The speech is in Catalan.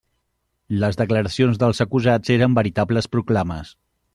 Les declaracions dels acusats eren veritables proclames.